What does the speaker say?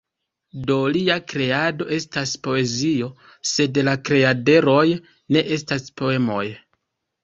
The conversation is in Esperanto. Do, lia kreado estas poezio, sed la kreaderoj ne estas poemoj!